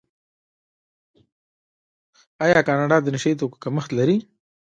آیا کاناډا د نشه یي توکو کښت لري؟